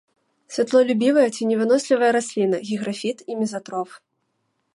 Святлолюбівая, ценевынослівая расліна, гіграфіт і мезатроф.